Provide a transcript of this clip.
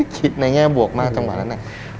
ในแง่บวกมากจังหวะนั้น